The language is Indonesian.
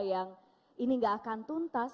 yang ini nggak akan tuntas